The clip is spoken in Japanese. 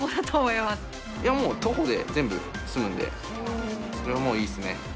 いやもう、徒歩で全部済むんでそれはもういいですね。